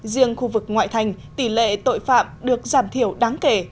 riêng khu vực ngoại thành tỷ lệ tội phạm được giảm thiểu đáng kể